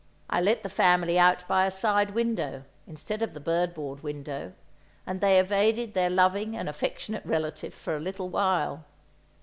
I let the family out by a side window, instead of the bird board window, and they evaded their loving and affectionate relative for a little while.